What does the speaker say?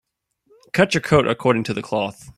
Cut your coat according to the cloth.